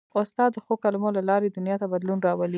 استاد د ښو کلمو له لارې دنیا ته بدلون راولي.